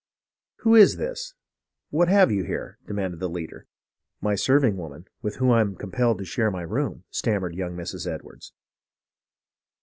"Who is this. * What have you here .^" demanded the leader. " My serving woman, with whom I am compelled to share my room," stammered young Mrs. Edwards.